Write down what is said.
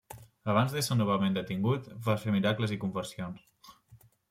Abans d'ésser novament detingut, va fer miracles i conversions.